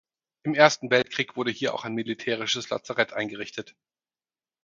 Im Ersten Weltkrieg wurde hier auch ein militärisches Lazarett eingerichtet.